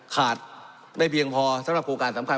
ขาดไม่เพียงพอสำหรับโครงการสำคัญ